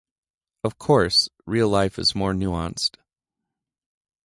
Of course, real life is more nuanced.